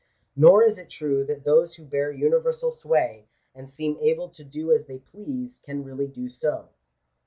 Nor is it true that those who bear universal sway, and seem able to do as they please, can really do so.